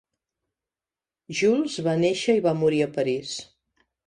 Jules va néixer i va morir a París.